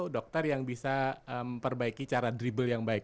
dokter yang bisa memperbaiki cara dribble yang baik